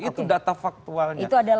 itu data faktualnya